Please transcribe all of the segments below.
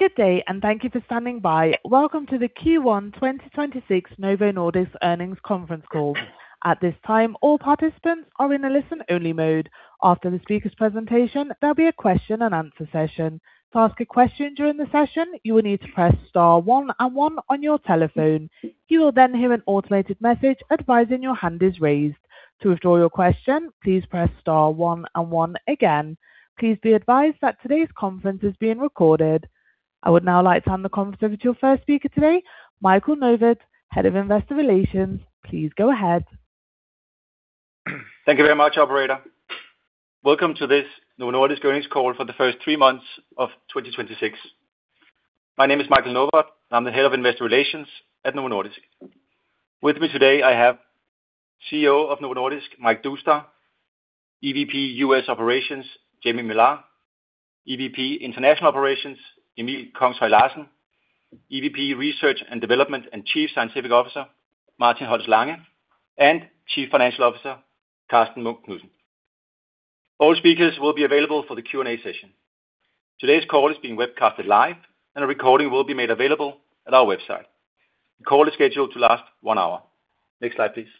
Good day, thank you for standing by. Welcome to the Q1 2026 Novo Nordisk earnings conference call. At this time, all participants are in a listen-only mode. After the speaker's presentation, there will be a question and answer session. I would now like to hand the conference over to your first speaker today, Michael Novod, Head of Investor Relations. Please go ahead. Thank you very much, operator. Welcome to this Novo Nordisk earnings call for the first three months of 2026. My name is Michael Novod. I am the Head of Investor Relations at Novo Nordisk. With me today, I have CEO of Novo Nordisk, Mike Doustdar, EVP U.S. Operations, Jamey Millar, EVP International Operations, Emil Kongshøj Larsen, EVP Research and Development and Chief Scientific Officer, Martin Holst Lange, and Chief Financial Officer, Karsten Munk Knudsen. All speakers will be available for the Q&A session. Today's call is being webcasted live, and a recording will be made available at our website. The call is scheduled to last one hour. Next slide, please.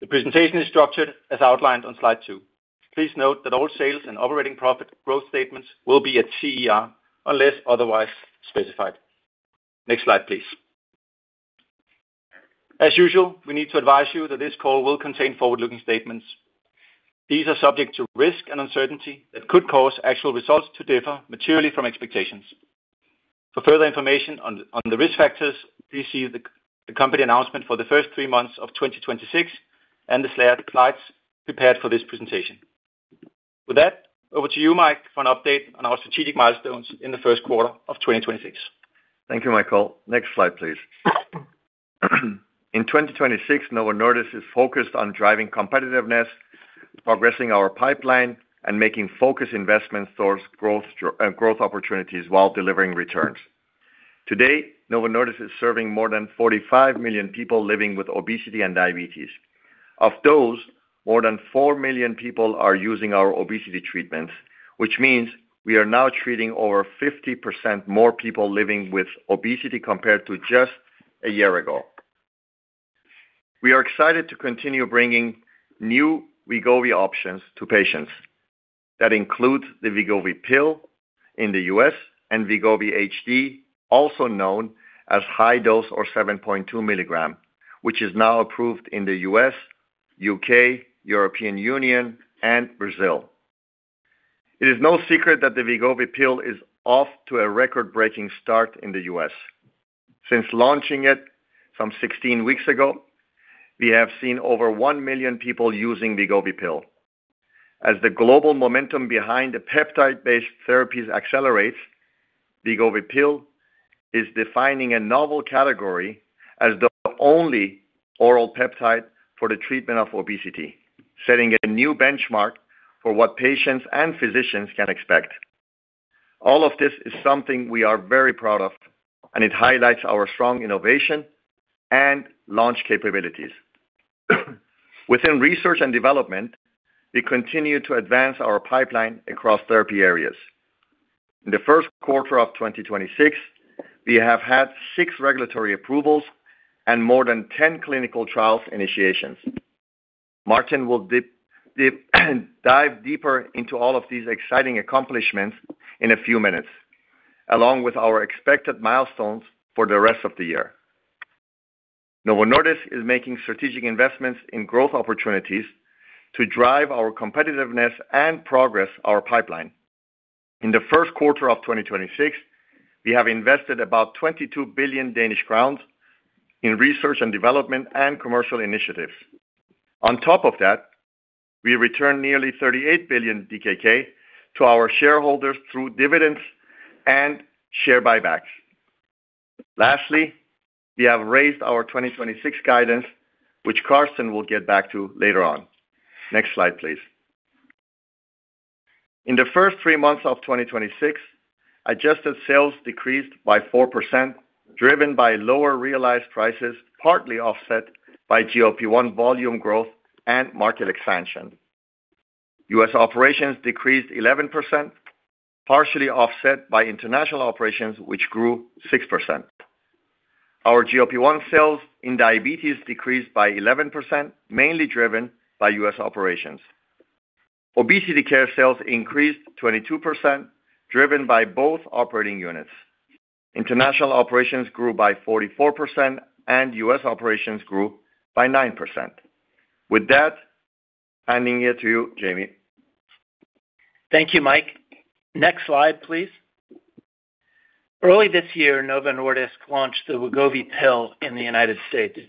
The presentation is structured as outlined on slide two. Please note that all sales and operating profit growth statements will be at TER unless otherwise specified. Next slide, please. As usual, we need to advise you that this call will contain forward-looking statements. These are subject to risk and uncertainty that could cause actual results to differ materially from expectations. For further information on the risk factors, please see the company announcement for the first three months of 2026 and the slides prepared for this presentation. With that, over to you, Mike, for an update on our strategic milestones in the first quarter of 2026. Thank you, Michael. Next slide, please. In 2026, Novo Nordisk is focused on driving competitiveness, progressing our pipeline, and making focus investments towards growth opportunities while delivering returns. Today, Novo Nordisk is serving more than 45 million people living with obesity and diabetes. Of those, more than 4 million people are using our obesity treatments, which means we are now treating over 50% more people living with obesity compared to just one year ago. We are excited to continue bringing new Wegovy options to patients. That includes the Wegovy pill in the U.S. and Wegovy HD, also known as high dose or 7.2 mg, which is now approved in the U.S., U.K., European Union, and Brazil. It is no secret that the Wegovy pill is off to a record-breaking start in the U.S. Since launching it some 16 weeks ago, we have seen over 1 million people using Wegovy pill. As the global momentum behind the peptide-based therapies accelerates, Wegovy pill is defining a novel category as the only oral peptide for the treatment of obesity, setting a new benchmark for what patients and physicians can expect. All of this is something we are very proud of. It highlights our strong innovation and launch capabilities. Within research and development, we continue to advance our pipeline across therapy areas. In the first quarter of 2026, we have had six regulatory approvals and more than 10 clinical trials initiations. Martin will dip dive deeper into all of these exciting accomplishments in a few minutes, along with our expected milestones for the rest of the year. Novo Nordisk is making strategic investments in growth opportunities to drive our competitiveness and progress our pipeline. In the first quarter of 2026, we have invested about 22 billion Danish crowns in research and development and commercial initiatives. We returned nearly 38 billion DKK to our shareholders through dividends and share buybacks. We have raised our 2026 guidance, which Karsten will get back to later on. Next slide, please. In the first three months of 2026, adjusted sales decreased by 4%, driven by lower realized prices, partly offset by GLP-1 volume growth and market expansion. U.S. operations decreased 11%, partially offset by International Operations, which grew 6%. Our GLP-1 sales in diabetes decreased by 11%, mainly driven by U.S. operations. Obesity care sales increased 22%, driven by both operating units. International Operations grew by 44%, and U.S. operations grew by 9%. Handing it to you, Jamey. Thank you, Mike. Next slide, please. Early this year, Novo Nordisk launched the Wegovy pill in the U.S.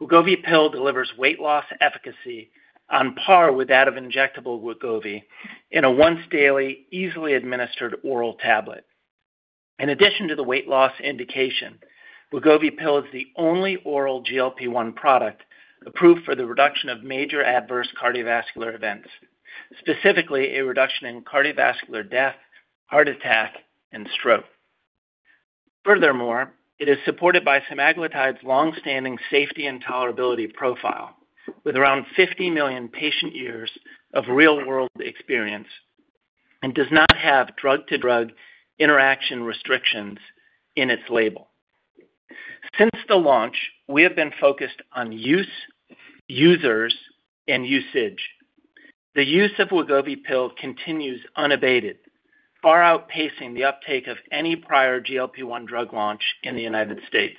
Wegovy pill delivers weight loss efficacy on par with that of injectable Wegovy in a once-daily, easily administered oral tablet. In addition to the weight loss indication, Wegovy pill is the only oral GLP-1 product approved for the reduction of major adverse cardiovascular events, specifically a reduction in cardiovascular death, heart attack, and stroke. Furthermore, it is supported by semaglutide's long-standing safety and tolerability profile, with around 50 million patient years of real-world experience, and does not have drug-to-drug interaction restrictions in its label. Since the launch, we have been focused on use, users, and usage. The use of Wegovy pill continues unabated, far outpacing the uptake of any prior GLP-1 drug launch in the U.S.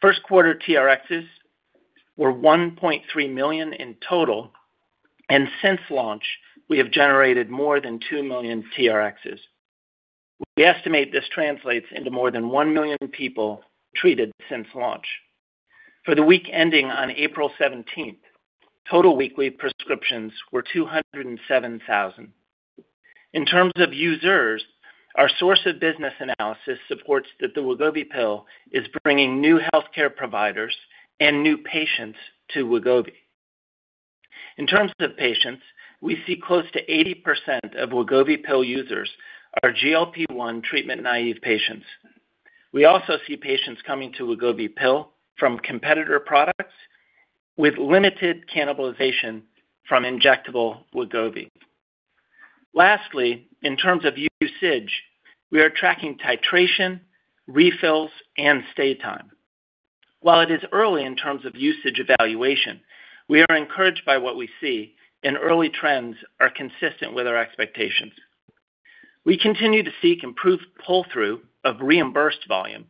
First quarter TRx were 1.3 million in total, and since launch, we have generated more than 2 million TRx. We estimate this translates into more than 1 million people treated since launch. For the week ending on April 17th, total weekly prescriptions were 207,000. In terms of users, our source of business analysis supports that the Wegovy pill is bringing new healthcare providers and new patients to Wegovy. In terms of patients, we see close to 80% of Wegovy pill users are GLP-1 treatment naive patients. We also see patients coming to Wegovy pill from competitor products with limited cannibalization from injectable Wegovy. Lastly, in terms of usage, we are tracking titration, refills, and stay time. While it is early in terms of usage evaluation, we are encouraged by what we see and early trends are consistent with our expectations. We continue to seek improved pull-through of reimbursed volume,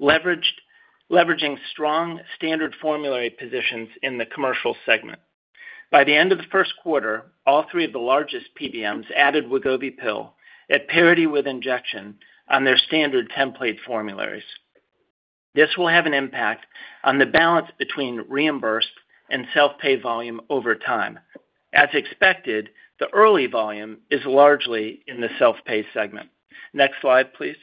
leveraging strong standard formulary positions in the commercial segment. By the end of the first quarter, all three of the largest PBMs added Wegovy pill at parity with injection on their standard template formularies. This will have an impact on the balance between reimbursed and self-pay volume over time. As expected, the early volume is largely in the self-pay segment. Next slide, please.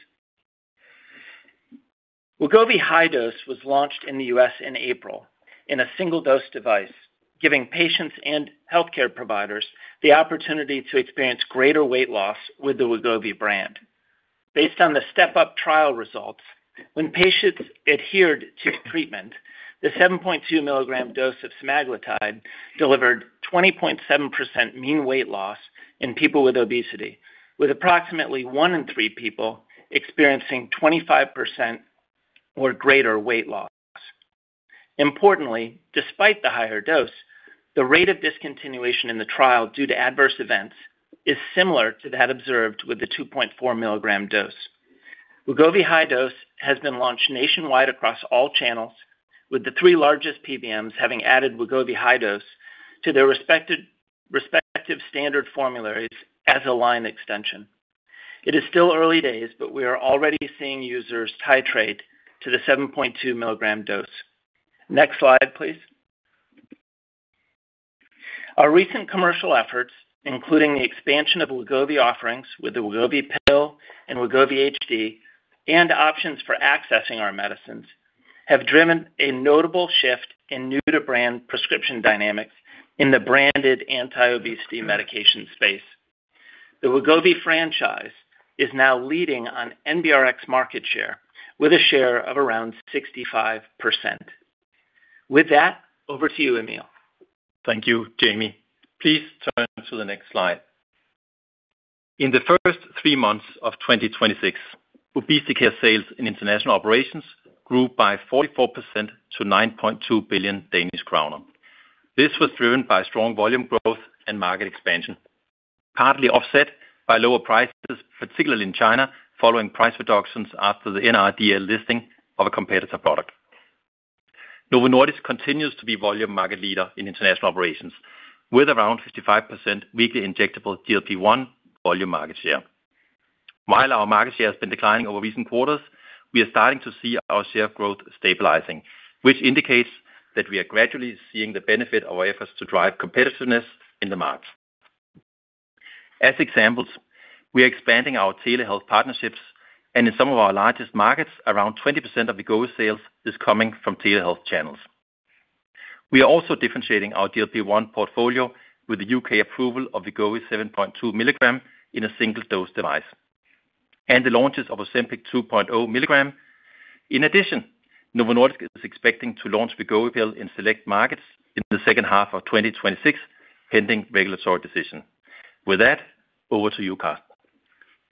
Wegovy high dose was launched in the U.S. in April in a single-dose device, giving patients and healthcare providers the opportunity to experience greater weight loss with the Wegovy brand. Based on the STEP UP trial results, when patients adhered to treatment, the 7.2 mg dose of semaglutide delivered 20.7% mean weight loss in people with obesity, with approximately one in three people experiencing 25% or greater weight loss. Importantly, despite the higher dose, the rate of discontinuation in the trial due to adverse events is similar to that observed with the 2.4 mg dose. Wegovy HD has been launched nationwide across all channels, with the three largest PBMs having added Wegovy HD to their respective standard formularies as a line extension. It is still early days, but we are already seeing users titrate to the 7.2 mg dose. Next slide, please. Our recent commercial efforts, including the expansion of Wegovy offerings with the Wegovy pill and Wegovy HD and options for accessing our medicines, have driven a notable shift in new-to-brand prescription dynamics in the branded anti-obesity medication space. The Wegovy franchise is now leading on NBRX market share with a share of around 65%. With that, over to you, Emil. Thank you, Jamey. Please turn to the next slide. In the first three months of 2026, obesity care sales in international operations grew by 44% to 9.2 billion Danish kroner. This was driven by strong volume growth and market expansion, partly offset by lower prices, particularly in China, following price reductions after the NRDA listing of a competitor product. Novo Nordisk continues to be volume market leader in international operations, with around 55% weekly injectable GLP-1 volume market share. While our market share has been declining over recent quarters, we are starting to see our share growth stabilizing, which indicates that we are gradually seeing the benefit of our efforts to drive competitiveness in the market. As examples, we are expanding our telehealth partnerships, and in some of our largest markets, around 20% of the growth sales is coming from telehealth channels. We are also differentiating our GLP-1 portfolio with the U.K. approval of Wegovy 7.2 mg in a single-dose device, and the launches of Ozempic 2.0 mg. In addition, Novo Nordisk is expecting to launch Wegovy pill in select markets in the second half of 2026, pending regulatory decision. With that, over to you, Karsten.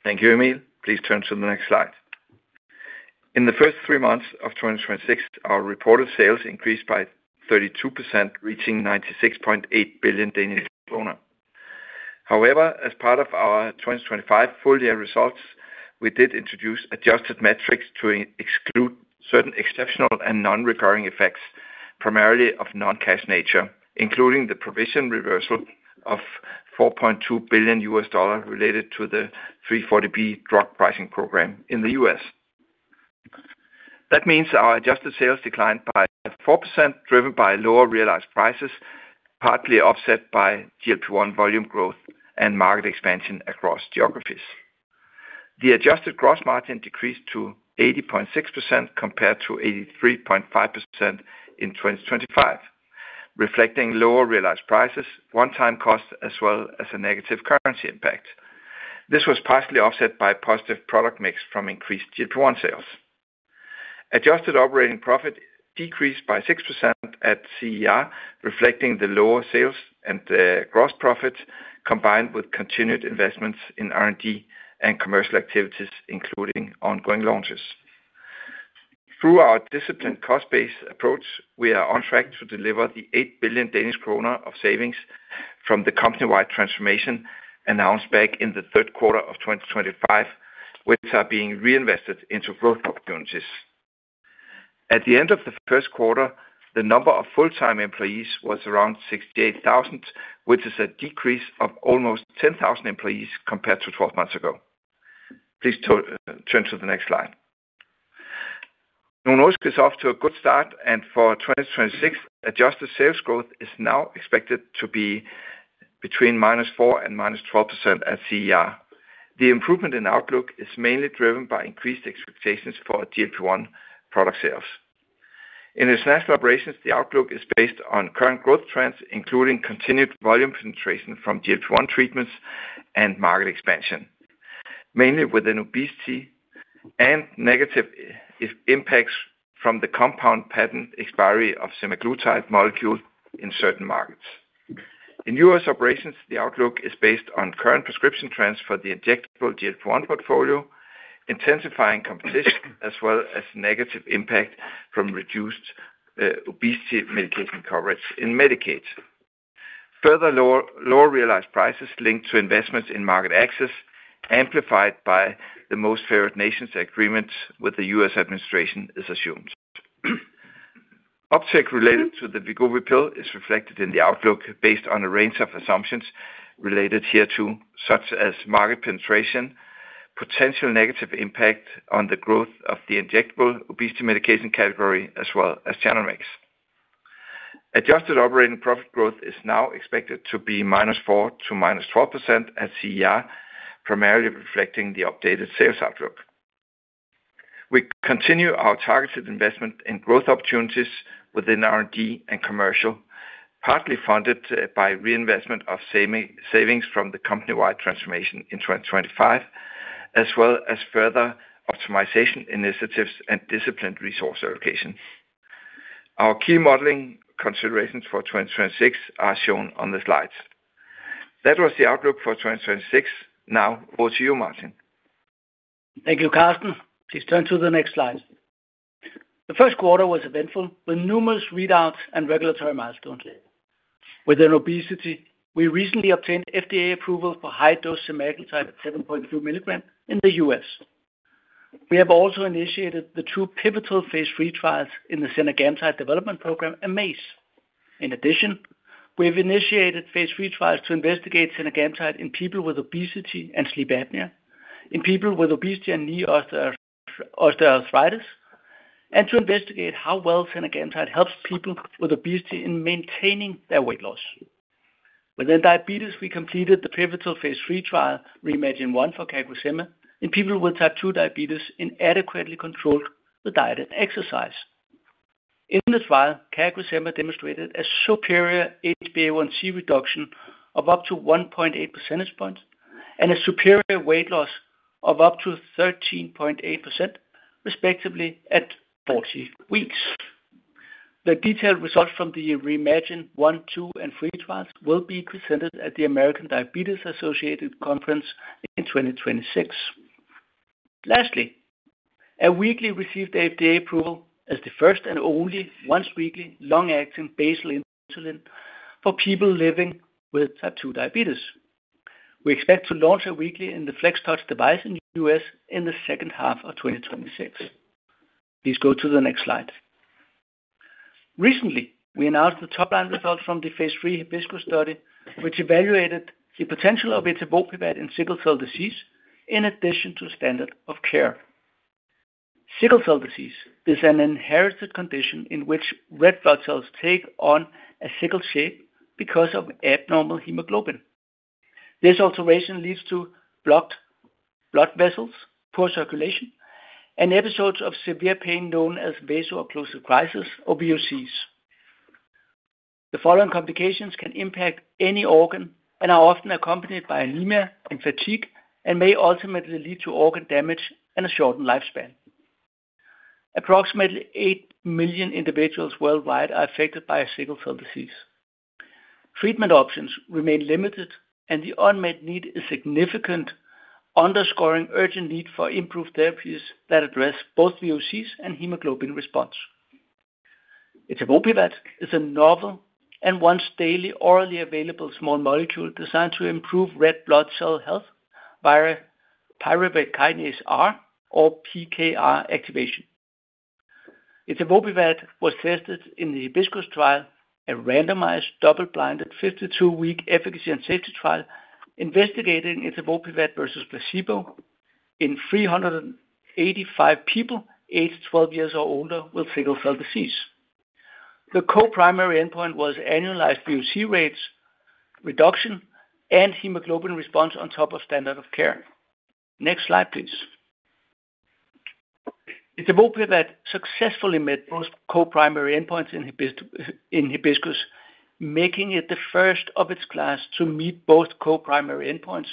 Thank you, Emil. Please turn to the next slide. In the first three months of 2026, our reported sales increased by 32%, reaching 96.8 billion Danish kroner. As part of our 2025 full year results, we did introduce adjusted metrics to exclude certain exceptional and non-recurring effects, primarily of non-cash nature, including the provision reversal of $4.2 billion related to the 340B drug pricing program in the U.S. That means our adjusted sales declined by 4%, driven by lower realized prices, partly offset by GLP-1 volume growth and market expansion across geographies. The adjusted gross margin decreased to 80.6% compared to 83.5% in 2025. Reflecting lower realized prices, one-time cost as well as a negative currency impact. This was partially offset by positive product mix from increased GLP-1 sales. Adjusted operating profit decreased by 6% at CER, reflecting the lower sales and gross profit, combined with continued investments in R&D and commercial activities, including ongoing launches. Through our disciplined cost-based approach, we are on track to deliver the 8 billion Danish kroner of savings from the company-wide transformation announced back in the third quarter of 2025, which are being reinvested into growth opportunities. At the end of the first quarter, the number of full-time employees was around 68,000, which is a decrease of almost 10,000 employees compared to 12 months ago. Please to turn to the next slide. Novo Nordisk is off to a good start, and for 2026, adjusted sales growth is now expected to be between -4% and -12% at CER. The improvement in outlook is mainly driven by increased expectations for GLP-1 product sales. In its last operations, the outlook is based on current growth trends, including continued volume penetration from GLP-1 treatments and market expansion, mainly within obesity and negative impacts from the compound patent expiry of semaglutide molecule in certain markets. In U.S. operations, the outlook is based on current prescription trends for the injectable GLP-1 portfolio, intensifying competition as well as negative impact from reduced obesity medication coverage in Medicaid. Further lower realized prices linked to investments in market access, amplified by the Most Favored Nation agreements with the U.S. administration is assumed. Uptake related to the Wegovy pill is reflected in the outlook based on a range of assumptions related hereto, such as market penetration, potential negative impact on the growth of the injectable obesity medication category as well as channel mix. Adjusted operating profit growth is now expected to be -4% to -12% at CER, primarily reflecting the updated sales outlook. We continue our targeted investment in growth opportunities within R&D and commercial, partly funded by reinvestment of savings from the company-wide transformation in 2025, as well as further optimization initiatives and disciplined resource allocation. Our key modeling considerations for 2026 are shown on the slides. That was the outlook for 2026. Now over to you, Martin. Thank you, Karsten. Please turn to the next slide. The first quarter was eventful with numerous readouts and regulatory milestones. Within obesity, we recently obtained FDA approval for high-dose semaglutide at 7.2 mg in the U.S. We have also initiated the two pivotal phase III trials in the zenagamtide development program, AMAZE. In addition, we have initiated phase III trials to investigate zenagamtide in people with obesity and sleep apnea, in people with obesity and knee osteoarthritis, and to investigate how well zenagamtide helps people with obesity in maintaining their weight loss. Within diabetes, we completed the pivotal phase III trial, REIMAGINE 1 for CagriSema, in people with type 2 diabetes inadequately controlled with diet and exercise. In the trial, CagriSema demonstrated a superior HbA1c reduction of up to 1.8 percentage points and a superior weight loss of up to 13.8% respectively at 40 weeks. The detailed results from the REIMAGINE 1, 2, and 3 trials will be presented at the American Diabetes Association Scientific Sessions in 2026. Lastly, Awiqli received FDA approval as the first and only once-weekly long-acting basal insulin for people living with type 2 diabetes. We expect to launch Awiqli in the FlexTouch device in the U.S. in the second half of 2026. Please go to the next slide. Recently, we announced the top-line results from the phase III HIBISCUS study, which evaluated the potential of etavopivat in sickle cell disease in addition to standard of care. Sickle cell disease is an inherited condition in which red blood cells take on a sickle shape because of abnormal hemoglobin. This alteration leads to blocked blood vessels, poor circulation, and episodes of severe pain known as vaso-occlusive crises or VOCs. The following complications can impact any organ and are often accompanied by anemia and fatigue and may ultimately lead to organ damage and a shortened lifespan. Approximately 8 million individuals worldwide are affected by sickle cell disease. Treatment options remain limited, and the unmet need is significant, underscoring urgent need for improved therapies that address both VOCs and hemoglobin response. Etavopivat is a novel and once-daily orally available small molecule designed to improve red blood cell health via pyruvate kinase R or PKR activation. Etavopivat was tested in the HIBISCUS trial, a randomized double-blinded 52-week efficacy and safety trial investigating etavopivat versus placebo in 385 people aged 12 years or older with sickle cell disease. The co-primary endpoint was annualized VOC rates reduction and hemoglobin response on top of standard of care. Next slide, please. Etavopivat successfully met both co-primary endpoints in HIBISCUS, making it the first of its class to meet both co-primary endpoints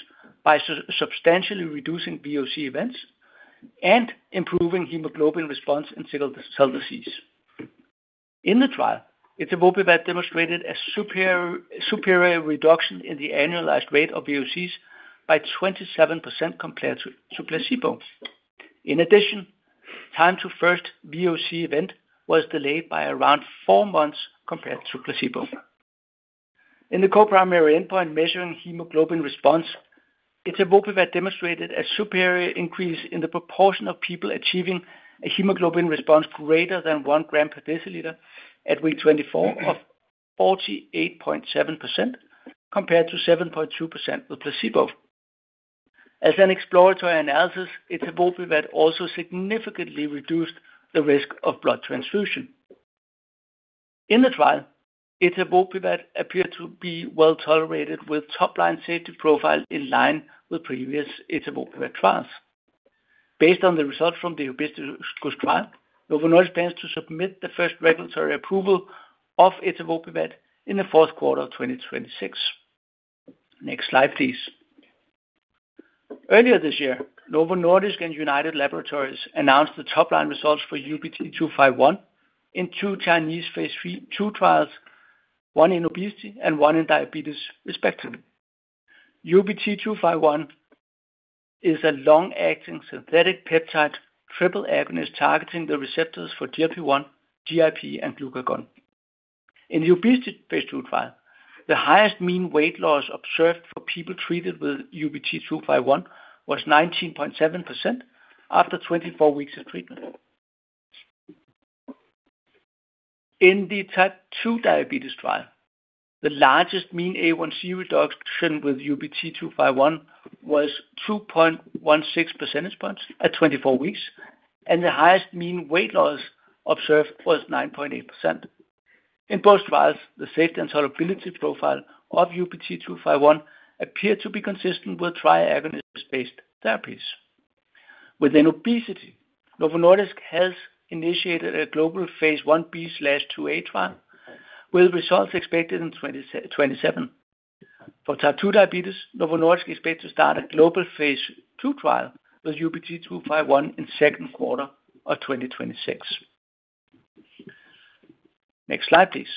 by substantially reducing VOC events and improving hemoglobin response in sickle cell disease. In the trial, etavopivat demonstrated a superior reduction in the annualized rate of VOCs by 27% compared to placebo. In addition, time to first VOC event was delayed by around four months compared to placebo. In the co-primary endpoint measuring hemoglobin response, etavopivat demonstrated a superior increase in the proportion of people achieving a hemoglobin response greater than 1 g/dL at week 24 of 48.7% compared to 7.2% with placebo. As an exploratory analysis, etavopivat also significantly reduced the risk of blood transfusion. In the trial, etavopivat appeared to be well-tolerated with top-line safety profile in line with previous etavopivat trials. Based on the results from the HIBISCUS trial, Novo Nordisk plans to submit the first regulatory approval of etavopivat in the fourth quarter of 2026. Next slide, please. Earlier this year, Novo Nordisk and United Laboratories announced the top-line results for UBT251 in two Chinese phase III/II trials, one in obesity and one in diabetes respectively. UBT251 is a long-acting synthetic peptide triple agonist targeting the receptors for GLP-1, GIP, and glucagon. In the obesity phase II trial, the highest mean weight loss observed for people treated with UBT251 was 19.7% after 24 weeks of treatment. In the type 2 diabetes trial, the largest mean A1c reduction with UBT251 was 2.16 percentage points at 24 weeks, and the highest mean weight loss observed was 9.8%. In both trials, the safety and tolerability profile of UBT251 appeared to be consistent with tri-agonist-based therapies. Within obesity, Novo Nordisk has initiated a global phase I-B/II-A trial, with results expected in 2027. For type 2 diabetes, Novo Nordisk is poised to start a global phase II trial with UBT251 in second quarter of 2026. Next slide, please.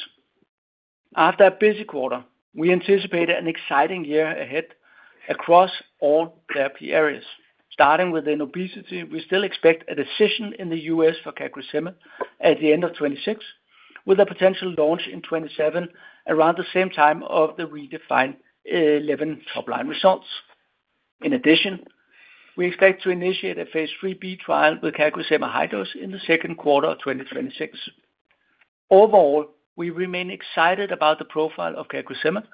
After a busy quarter, we anticipate an exciting year ahead across all therapy areas. Starting within obesity, we still expect a decision in the U.S. for CagriSema at the end of 26, with a potential launch in 27 around the same time of the REDEFINE 11 top-line results. In addition, we expect to initiate a phase III-B trial with CagriSema high dose in the second quarter of 2026. Overall, we remain excited about the profile of CagriSema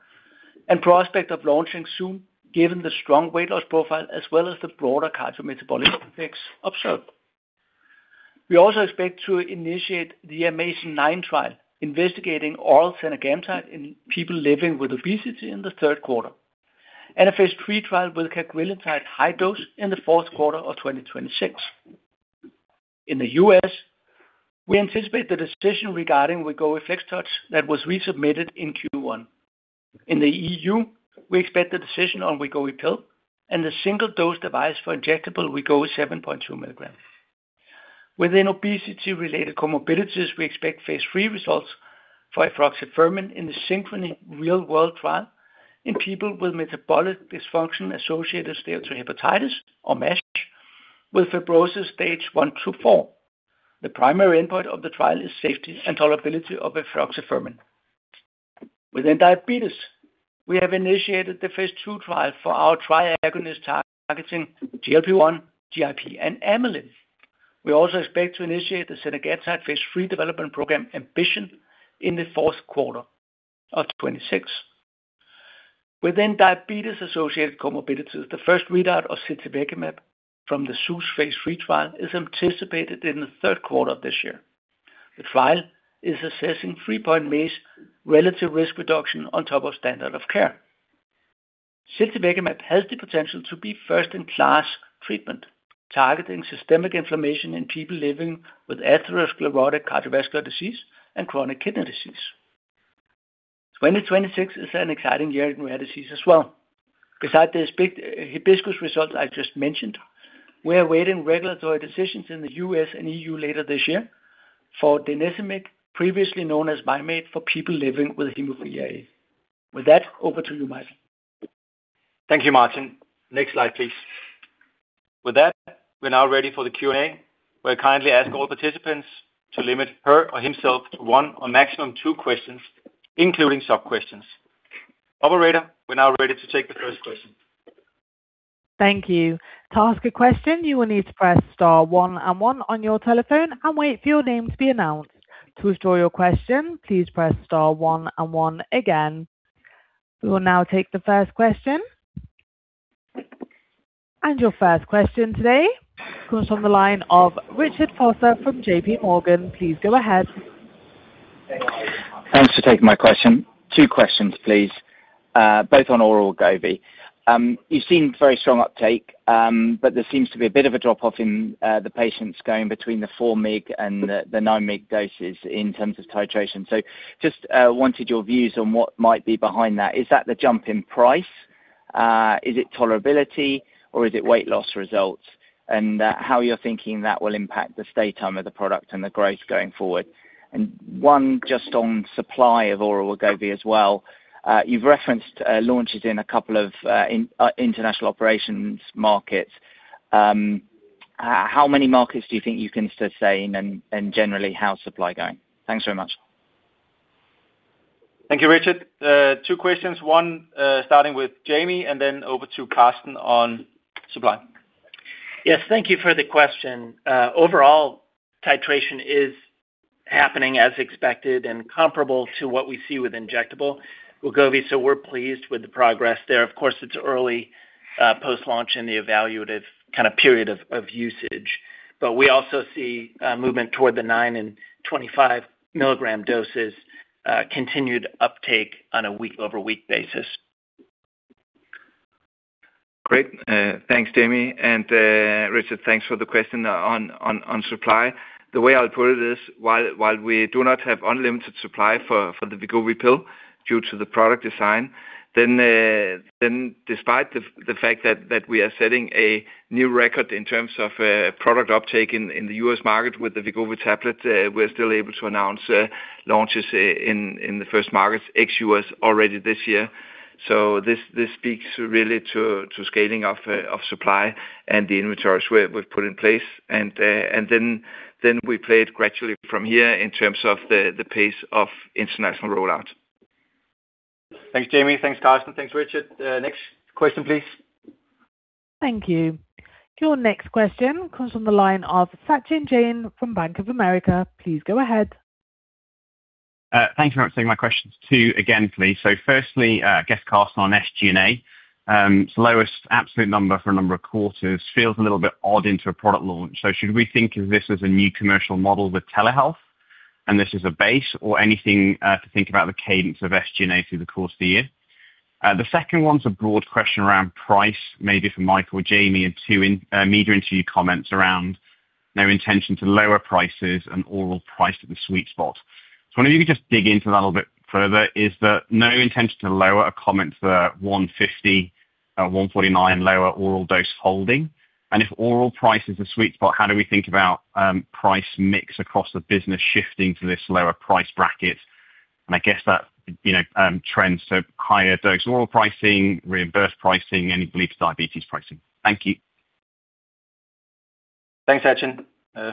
and prospect of launching soon, given the strong weight loss profile as well as the broader cardiometabolic effects observed. We also expect to initiate the AMAZE nine trial investigating oral zenagamtide in people living with obesity in the third quarter, and a phase III trial with cagrilintide high dose in the fourth quarter of 2026. In the U.S., we anticipate the decision regarding Wegovy FlexTouch that was resubmitted in Q1. In the EU, we expect the decision on Wegovy pill and the single-dose device for injectable Wegovy 7.2 mg. Within obesity-related comorbidities, we expect phase III results for efruxifermin in the SYNCHRONY real-world trial in people with metabolic dysfunction associated steatohepatitis or MASH with fibrosis stage one to four. The primary endpoint of the trial is safety and tolerability of efruxifermin. Within diabetes, we have initiated the phase II trial for our tri-agonist targeting GLP-1, GIP, and amylin. We also expect to initiate the [semeglutide] phase III development program AMBITION in the fourth quarter of 2026. Within diabetes-associated comorbidities, the first readout of ziltivekimab from the ZEUS phase III trial is anticipated in the third quarter of this year. The trial is assessing three-point MACE relative risk reduction on top of standard of care. ziltivekimab has the potential to be first-in-class treatment, targeting systemic inflammation in people living with atherosclerotic cardiovascular disease and chronic kidney disease. 2026 is an exciting year in rare disease as well. Besides the big HIBISCUS results I just mentioned, we are awaiting regulatory decisions in the U.S. and EU later this year for denecmig, previously known as Mim8, for people living with Hemophilia A. With that, over to you, Michael. Thank you, Martin. Next slide, please. With that, we are now ready for the Q&A. We kindly ask all participants to limit her or himself to one or maximum two questions, including sub-questions. Operator, we are now ready to take the first question. Thank you. We will now take the first question. Your first question today comes from the line of Richard Vosser from JPMorgan. Please go ahead. Thanks for taking my question. Two questions, please. Both on oral Wegovy. You've seen very strong uptake, there seems to be a bit of a drop-off in the patients going between the 4 mg and the 9 mg doses in terms of titration. Just wanted your views on what might be behind that. Is that the jump in price? Is it tolerability or is it weight loss results? How you're thinking that will impact the stay time of the product and the growth going forward. One just on supply of oral Wegovy as well. You've referenced launches in a couple of international operations markets. How many markets do you think you can sustain and generally, how's supply going? Thanks very much. Thank you, Richard. Two questions, one, starting with Jamey and then over to Karsten on supply. Yes, thank you for the question. Overall, titration is happening as expected and comparable to what we see with injectable Wegovy, so we're pleased with the progress there. Of course, it's early, post-launch in the evaluative kind of period of usage. We also see movement toward the 9 mg and 25 mg doses, continued uptake on a week-over-week basis. Great. Thanks, Jamey. Richard, thanks for the question on supply. The way I'll put it is, while we do not have unlimited supply for the Wegovy pill due to the product design, despite the fact that we are setting a new record in terms of product uptake in the U.S. market with the Wegovy tablet, we're still able to announce launches in the first markets ex-U.S. already this year. This speaks really to scaling of supply and the inventories we've put in place. Then we play it gradually from here in terms of the pace of international rollout. Thanks, Jamey. Thanks, Karsten. Thanks, Richard. Next question, please. Thank you. Your next question comes from the line of Sachin Jain from Bank of America. Please go ahead. Thank you for taking my questions too again, please. Firstly, I guess, Karsten, on SG&A. It's the lowest absolute number for a number of quarters. Feels a little bit odd into a product launch. Should we think of this as a new commercial model with telehealth, and this is a base or anything to think about the cadence of SG&A through the course of the year? The second one's a broad question around price, maybe for Mike or Jamey, and two media into your comments around no intention to lower prices and oral price at the sweet spot. I wonder if you could just dig into that a little bit further. Is the no intention to lower a comment for 150, 149 lower oral dose holding? If oral price is a sweet spot, how do we think about price mix across the business shifting to this lower price bracket? I guess that, you know, trends to higher dose oral pricing, reimbursed pricing, any beliefs, diabetes pricing. Thank you. Thanks, Sachin.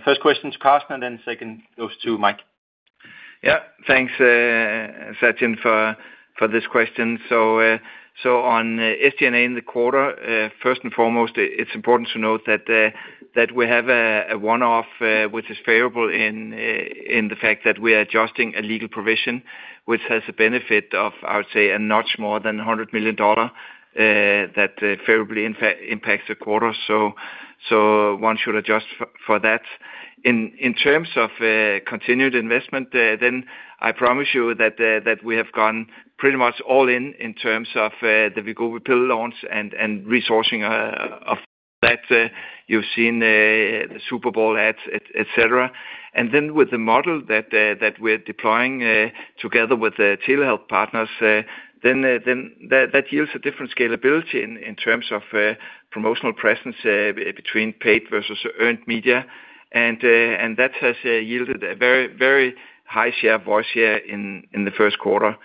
First question to Karsten, then second goes to Mike. Thanks, Sachin, for this question. On SG&A in the quarter, first and foremost, it's important to note that we have a one-off, which is favorable in the fact that we are adjusting a legal provision, which has a benefit of, I would say, a notch more than DKK 100 million that favorably impacts the quarter. One should adjust for that. In terms of continued investment, I promise you that we have gone pretty much all in in terms of the Wegovy pill launch and resourcing of that. You've seen the Super Bowl ads, etcetera. With the model that we're deploying together with the telehealth partners, then that yields a different scalability in terms of promotional presence between paid versus earned media. That has yielded a very high share of voice here in the first quarter.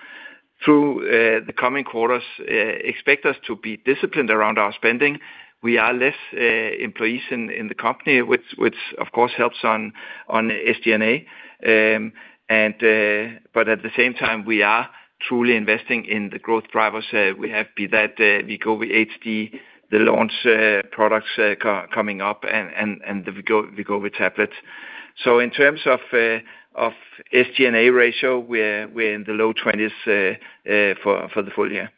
Through the coming quarters, expect us to be disciplined around our spending. We are less employees in the company, which of course helps on SG&A. At the same time, we are truly investing in the growth drivers we have be that Wegovy HD, the launch products coming up and the Wegovy tablets. In terms of SG&A ratio, we're in the low 20s for the full year.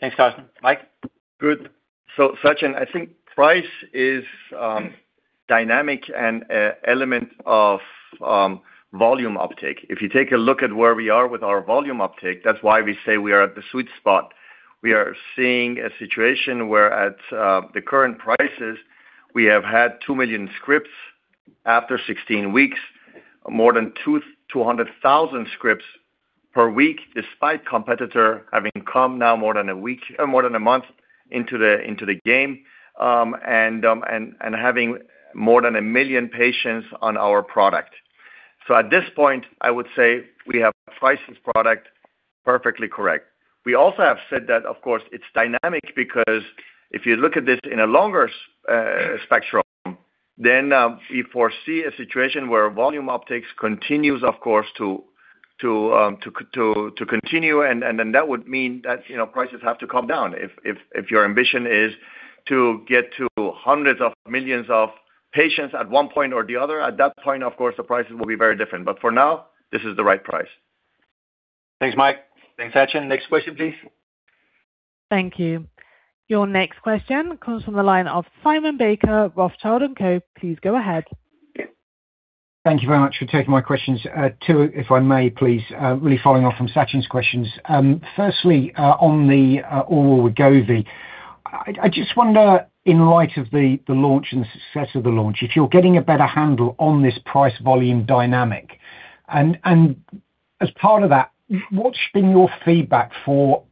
Thanks, Karsten. Mike? Good. Sachin, I think price is dynamic and a element of volume uptake. If you take a look at where we are with our volume uptake, that's why we say we are at the sweet spot. We are seeing a situation where at the current prices, we have had 2 million scripts after 16 weeks, more than 200,000 scripts per week, despite competitor having come now more than a month into the game, and having more than 1 million patients on our product. At this point, I would say we have priced this product perfectly correct. We also have said that, of course, it's dynamic because if you look at this in a longer spectrum, then we foresee a situation where volume uptakes continues, of course, to continue, and then that would mean that, you know, prices have to come down. If your ambition is to get to hundreds of millions of patients at one point or the other, at that point, of course, the prices will be very different. For now, this is the right price. Thanks, Mike. Thanks, Sachin. Next question, please. Thank you. Your next question comes from the line of Simon Baker, Rothschild & Co. Please go ahead. Thank you very much for taking my questions. Two, if I may, please. Really following off from Sachin's questions. Firstly, on the oral Wegovy. I just wonder, in light of the launch and success of the launch, if you're getting a better handle on this price volume dynamic. As part of that, what's been your feedback for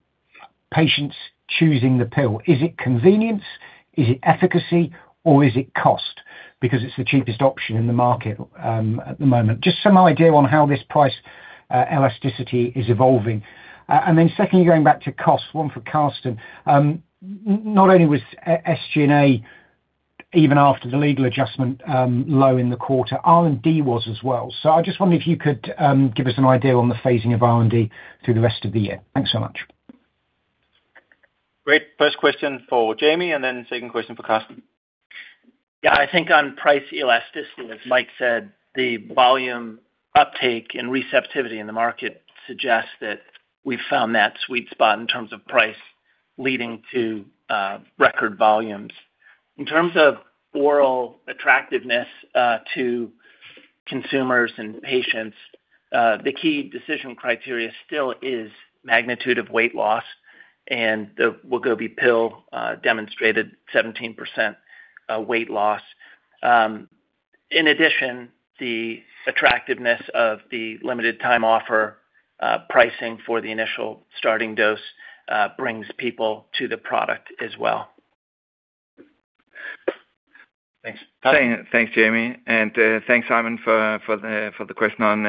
patients choosing the pill? Is it convenience? Is it efficacy? Or is it cost because it's the cheapest option in the market at the moment? Just some idea on how this price elasticity is evolving. Secondly, going back to cost, one for Karsten. Not only was SG&A, even after the legal adjustment, low in the quarter, R&D was as well. I just wonder if you could give us an idea on the phasing of R&D through the rest of the year. Thanks so much. Great. First question for Jamey, and then second question for Karsten. I think on price elasticity, as Mike said, the volume uptake and receptivity in the market suggests that we found that sweet spot in terms of price leading to record volumes. In terms of oral attractiveness to consumers and patients, the key decision criteria still is magnitude of weight loss, and the Wegovy pill demonstrated 17% weight loss. In addition, the attractiveness of the limited time offer pricing for the initial starting dose brings people to the product as well. Thanks. Thanks, Jamey. Thanks, Simon, for the question on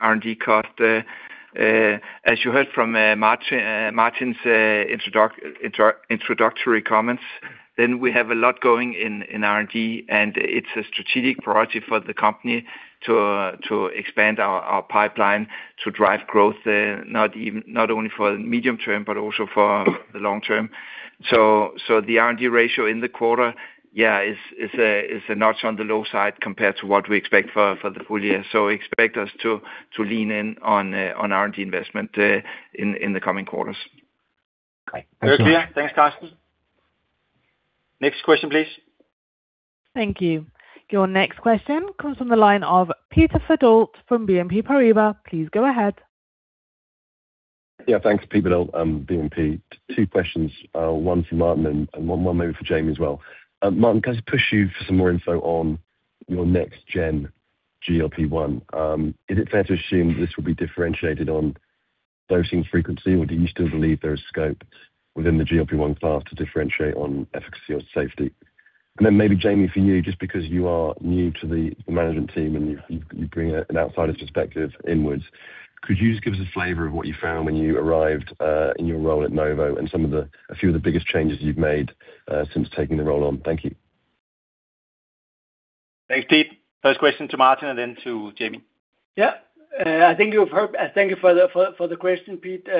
R&D cost. As you heard from Martin's introductory comments, we have a lot going in R&D, and it's a strategic priority for the company to expand our pipeline to drive growth, not only for the medium term, but also for the long term. So the R&D ratio in the quarter is a notch on the low side compared to what we expect for the full year. Expect us to lean in on R&D investment in the coming quarters. Great. Thanks a lot. Very clear. Thanks, Karsten. Next question, please. Thank you. Your next question comes from the line of Peter Verdult from BNP Paribas. Please go ahead. Yeah. Thanks, Peter Verdult, BNP. two questions, one for Martin and one maybe for Jamey as well. Martin, can I just push you for some more info on your next gen GLP-1? Is it fair to assume this will be differentiated on dosing frequency, or do you still believe there is scope within the GLP-1 class to differentiate on efficacy or safety? Then maybe Jamey, for you, just because you are new to the management team and you bring an outsider's perspective inwards, could you just give us a flavor of what you found when you arrived in your role at Novo and some of the biggest changes you've made since taking the role on? Thank you. Thanks, Peter. First question to Martin and then to Jamey. Yeah. Thank you for the question, Peter.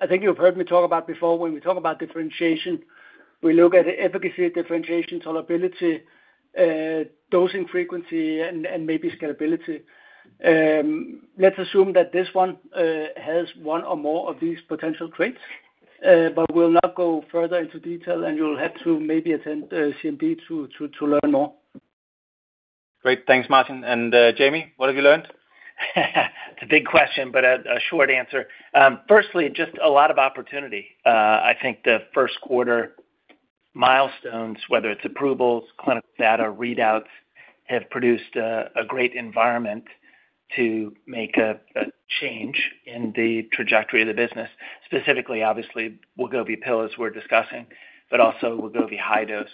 I think you've heard me talk about before when we talk about differentiation, we look at efficacy, differentiation, tolerability, dosing frequency and maybe scalability. Let's assume that this one has one or more of these potential traits, but we'll not go further into detail, and you'll have to maybe attend Capital Markets Day to learn more. Great. Thanks, Martin. Jamey, what have you learned? It's a big question, but a short answer. Firstly, just a lot of opportunity. I think the first quarter milestones, whether it's approvals, clinical data, readouts, have produced a great environment to make a change in the trajectory of the business. Specifically, obviously, Wegovy pill, as we're discussing, but also Wegovy high dose.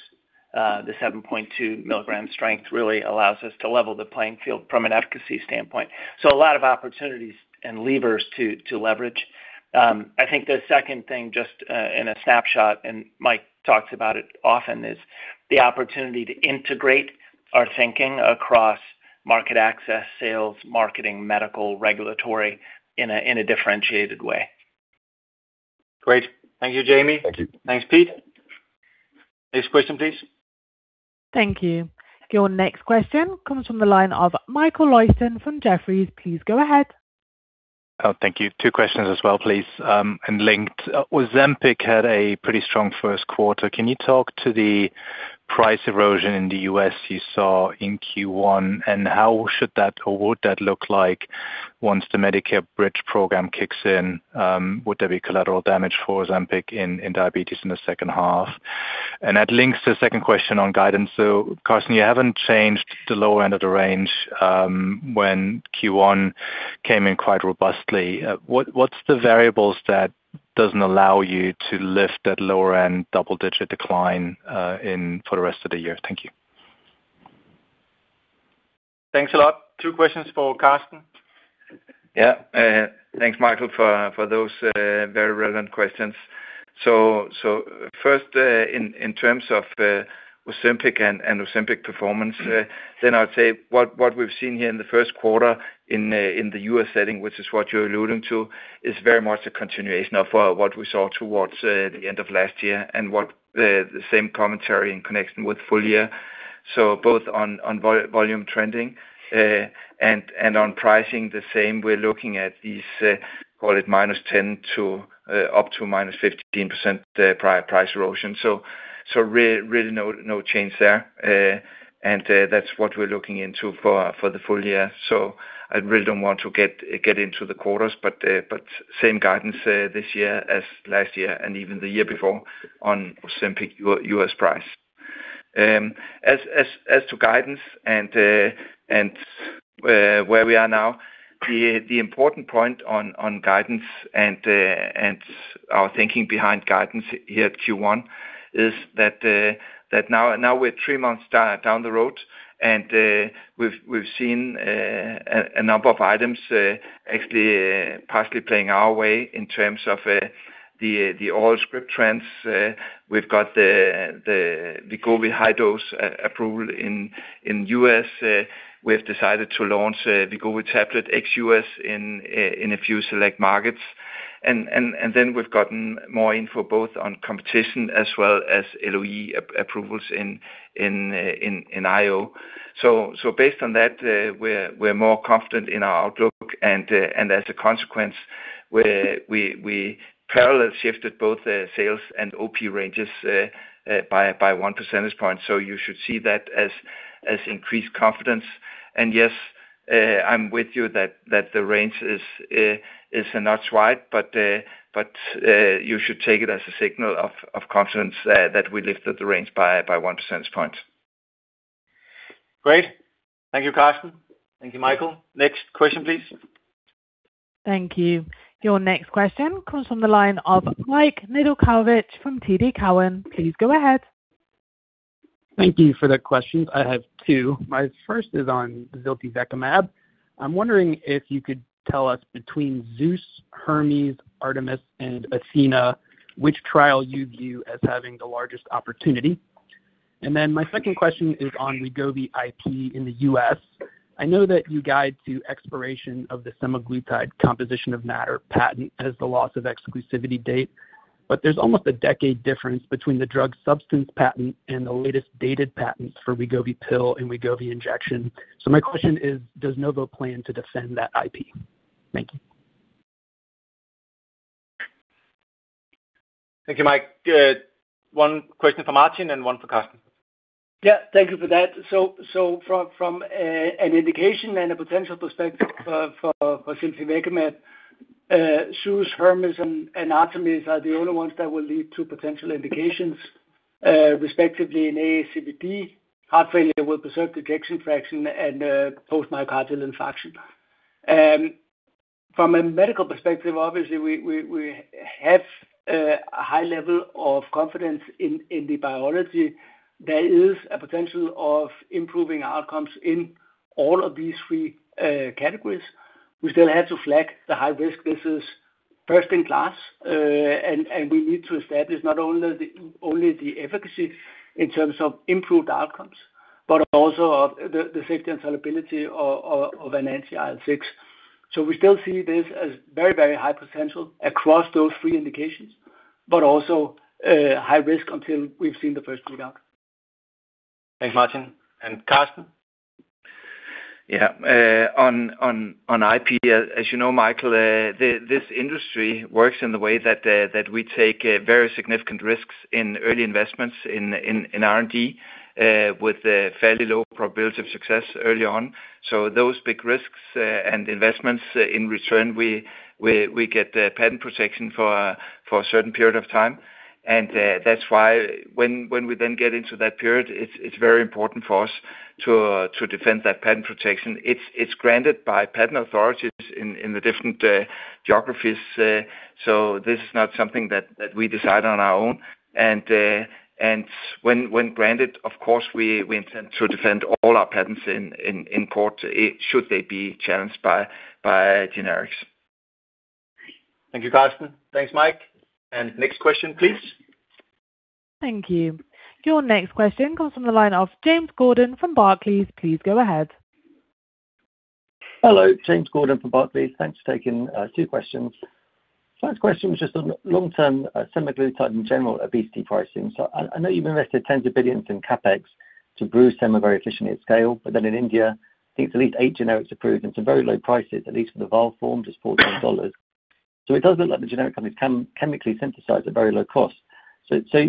The 7.2 mg strength really allows us to level the playing field from an efficacy standpoint. A lot of opportunities and levers to leverage. I think the second thing, just in a snapshot, Mike talks about it often, is the opportunity to integrate our thinking across market access, sales, marketing, medical, regulatory in a differentiated way. Great. Thank you, Jamey. Thank you. Thanks, Pete. Next question, please. Thank you. Your next question comes from the line of Michael Leuchten from Jefferies. Please go ahead. Oh, thank you. Two questions as well, please, and linked. Ozempic had a pretty strong first quarter. Can you talk to the price erosion in the U.S. you saw in Q1, and how should that or would that look like once the Medicare GLP-1 Bridge kicks in? Would there be collateral damage for Ozempic in diabetes in the second half? That links to the second question on guidance. Karsten, you haven't changed the lower end of the range, when Q1 came in quite robustly. What, what's the variables that doesn't allow you to lift that lower-end double-digit decline for the rest of the year? Thank you. Thanks a lot. Two questions for Karsten. Yeah. Thanks, Michael, for those very relevant questions. First, in terms of Ozempic and Ozempic performance, I'd say what we've seen here in the 1st quarter in the U.S. setting, which is what you're alluding to, is very much a continuation of what we saw towards the end of last year and what the same commentary in connection with full year. Both on volume trending and on pricing the same, we're looking at these, call it -10% to -15% price erosion. Really no change there. And that's what we're looking into for the full year. I really don't want to get into the quarters, same guidance this year as last year and even the year before on Ozempic U.S. price. As to guidance and where we are now, the important point on guidance and our thinking behind guidance here at Q1 is that now we're three months down the road and we've seen a number of items actually partially playing our way in terms of the oral script trends. We've got the Wegovy high dose approved in U.S. We have decided to launch Wegovy tablet ex U.S. in a few select markets. Then we've gotten more info both on competition as well as LOE approvals in IO. Based on that, we're more confident in our outlook. As a consequence, we parallel shifted both the sales and OP ranges by one percentage point. You should see that as increased confidence. Yes, I'm with you that the range is a notch wide, but you should take it as a signal of confidence that we lifted the range by one percentage point. Great. Thank you, Karsten. Thank you, Michael. Next question, please. Thank you. Your next question comes from the line of Mike Nedelcovych from TD Cowen. Please go ahead. Thank you for the questions. I have two. My first is on Ciltavecumab. I'm wondering if you could tell us between ZEUS, Hermes, Artemis, and Athena, which trial you view as having the largest opportunity. Then my second question is on Wegovy IP in the U.S. I know that you guide to expiration of the semaglutide composition of matter patent as the loss of exclusivity date, but there's almost a decade difference between the drug substance patent and the latest dated patents for Wegovy pill and Wegovy injection. My question is, does Novo plan to defend that IP? Thank you. Thank you, Mike. One question for Martin and one for Karsten. Thank you for that. From an indication and a potential perspective for Ciltavecumab, ZEUS, Hermes, and Artemis are the only ones that will lead to potential indications, respectively in ASCVD, heart failure with preserved ejection fraction and post-myocardial infarction. From a medical perspective, obviously, we have a high level of confidence in the biology. There is a potential of improving outcomes in all of these three categories. We still have to flag the high risk. This is first in class. And we need to establish not only the efficacy in terms of improved outcomes, but also of the safety and tolerability of an anti-IL-6. We still see this as very, very high potential across those three indications, but also, high risk until we've seen the first data. Thanks, Martin. Karsten? Yeah. On IP, as you know, Michael, this industry works in the way that we take very significant risks in early investments in R&D, with a fairly low probability of success early on. Those big risks and investments in return, we get the patent protection for a certain period of time. That's why when we then get into that period, it's very important for us to defend that patent protection. It's granted by patent authorities in the different geographies. This is not something that we decide on our own. When granted, of course, we intend to defend all our patents in court, should they be challenged by generics. Thank you, Karsten. Thanks, Mike. Next question, please. Thank you. Your next question comes from the line of James Gordon from Barclays. Please go ahead. Hello, James Gordon from Barclays. Thanks for taking two questions. First question was just on long-term semaglutide in general obesity pricing. I know you've invested tens of billions in CapEx to brew sema very efficiently at scale, but then in India, I think it's at least eight generics approved and some very low prices, at least for the vial form, just DKK 14. It does look like the generic companies chemically synthesize at very low cost.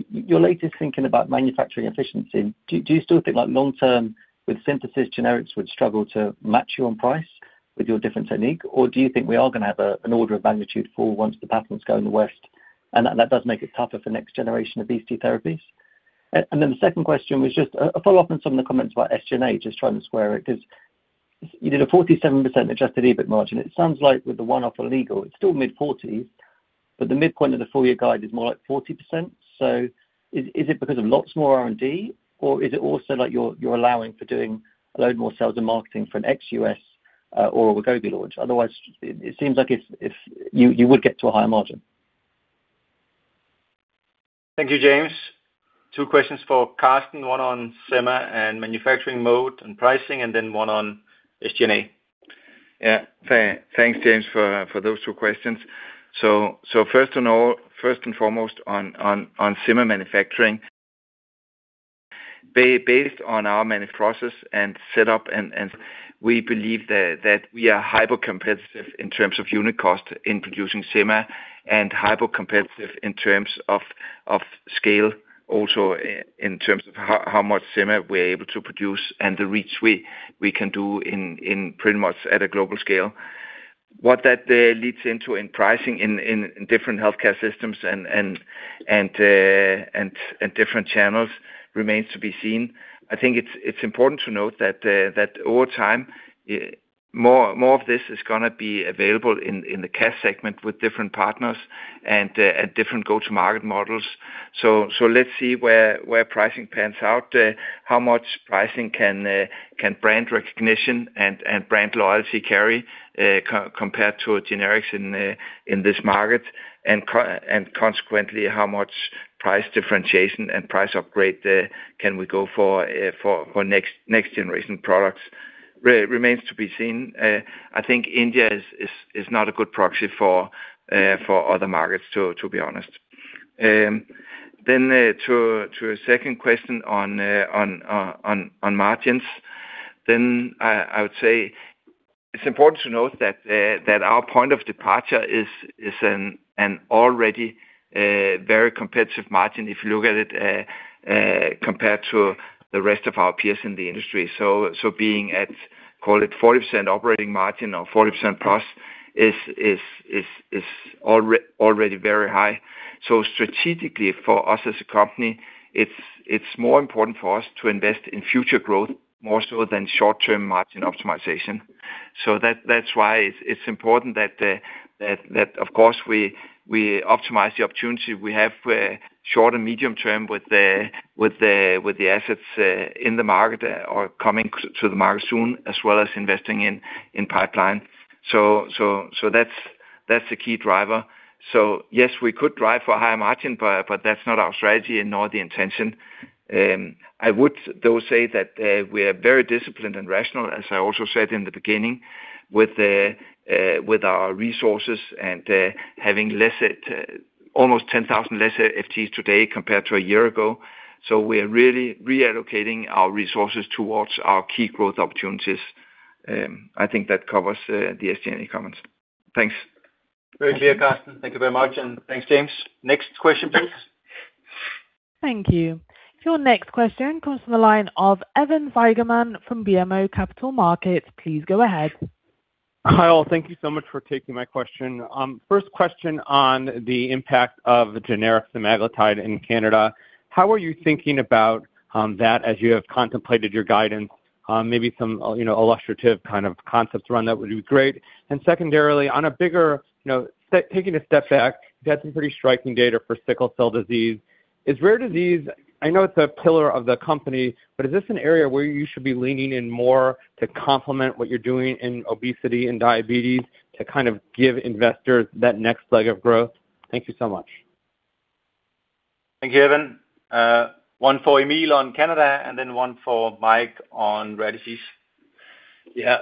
Your latest thinking about manufacturing efficiency, do you still think like long term with synthesis generics would struggle to match you on price with your different technique? Do you think we are gonna have an order of magnitude fall once the patents go in the West, and that does make it tougher for next-generation obesity therapies? The second question was just a follow-up on some of the comments about SG&A, just trying to square it, 'cause you did a 47% adjusted EBIT margin. It sounds like with the one-off legal, it's still mid-40s%, but the midpoint of the full year guide is more like 40%. Is it because of lots more R&D, or is it also like you're allowing for doing a load more sales and marketing for an ex U.S. or a Wegovy launch? Otherwise, it seems like if you would get to a higher margin. Thank you, James. Two questions for Karsten, one on sema and manufacturing mode and pricing, and then one on SG&A. Thanks, James, for those two questions. First and foremost on sema manufacturing. Based on our many process and setup and we believe that we are hypercompetitive in terms of unit cost in producing sema and hypercompetitive in terms of scale also in terms of how much sema we are able to produce and the reach we can do in pretty much at a global scale. What that leads into in pricing in different healthcare systems and and different channels remains to be seen. I think it's important to note that over time, more of this is gonna be available in the cash segment with different partners and at different go-to-market models. Let's see where pricing pans out, how much pricing can brand recognition and brand loyalty carry compared to generics in this market. Consequently, how much price differentiation and price upgrade can we go for for next generation products remains to be seen. I think India is not a good proxy for other markets, to be honest. Then to a second question on margins, then I would say it's important to note that our point of departure is an already very competitive margin if you look at it compared to the rest of our peers in the industry. Being at, call it 40% operating margin or 40% plus is already very high. Strategically for us as a company, it's more important for us to invest in future growth more so than short-term margin optimization. That's why it's important that of course, we optimize the opportunity we have short and medium term with the assets in the market or coming to the market soon, as well as investing in pipeline. That's the key driver. Yes, we could drive for higher margin, but that's not our strategy and nor the intention. I would though say that we are very disciplined and rational, as I also said in the beginning, with our resources and having less almost 10,000 less FTEs today compared to a year ago. We are really reallocating our resources towards our key growth opportunities. I think that covers the SG&A comments. Thanks. Very clear, Karsten. Thank you very much. Thanks, James. Next question, please. Thank you. Your next question comes from the line of Evan Seigerman from BMO Capital Markets. Please go ahead. Hi, all. Thank you so much for taking my question. First question on the impact of generic semaglutide in Canada. How are you thinking about that as you have contemplated your guidance? Maybe some, you know, illustrative kind of concepts around that would be great. Secondarily, on a bigger, you know, taking a step back, you had some pretty striking data for sickle cell disease. Is rare disease, I know it's a pillar of the company, but is this an area where you should be leaning in more to complement what you're doing in obesity and diabetes to kind of give investors that next leg of growth? Thank you so much. Thank you, Evan. one for Emil on Canada and then one for Mike on rare disease. Yeah.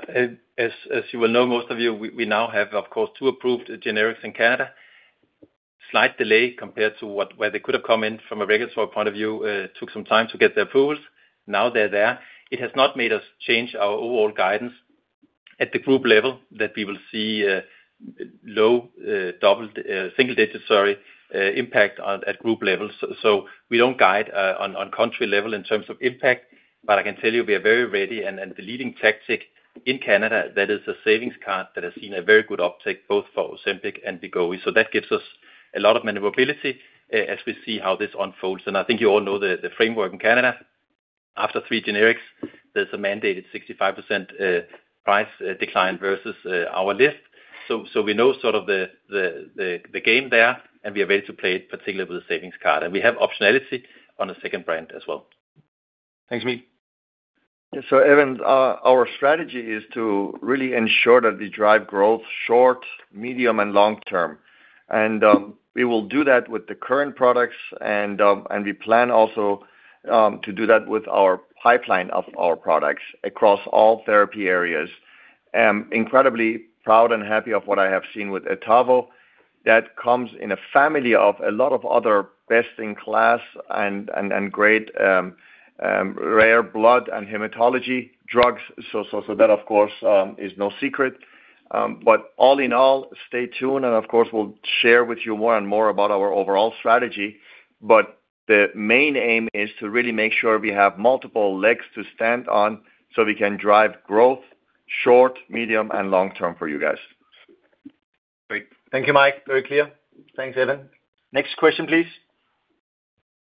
As you well know, most of you, we now have, of course, two approved generics in Canada. Slight delay compared to where they could have come in from a regulatory point of view, took some time to get the approvals. Now they're there. It has not made us change our overall guidance at the group level that we will see low single digit impact on at group level. We don't guide on country level in terms of impact, but I can tell you we are very ready and the leading tactic in Canada, that is a savings card that has seen a very good uptake both for Ozempic and Wegovy. That gives us a lot of maneuverability as we see how this unfolds. I think you all know the framework in Canada. After three generics, there's a mandated 65% price decline versus our list. We know sort of the game there, and we are ready to play it, particularly with the savings card. We have optionality on a second brand as well. Thanks, Emil. Evan, our strategy is to really ensure that we drive growth short, medium, and long term. We will do that with the current products and we plan also to do that with our pipeline of our products across all therapy areas. Incredibly proud and happy of what I have seen with etavopivat. That comes in a family of a lot of other best in class and great rare blood and hematology drugs. That of course is no secret. All in all, stay tuned and of course, we'll share with you more and more about our overall strategy. The main aim is to really make sure we have multiple legs to stand on so we can drive growth short, medium, and long term for you guys. Great. Thank you, Mike. Very clear. Thanks, Evan. Next question please.